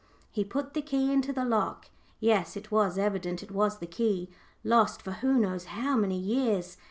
He put the key into the lock. Yes, it was evident it was the key, lost for who knows how many years.